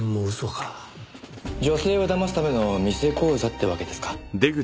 女性を騙すための偽口座ってわけですか。